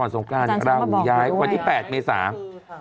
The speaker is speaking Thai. ก่อนสงกรรณราหุย้ายวันที่๘เมษายน